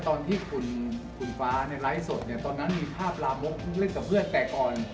ตอนที่ขุนขุนฟ้าในไลฟ์สดเนี้ยตอนนั้นมีภาพลามกเล่นกับเพื่อนแตกอ่อน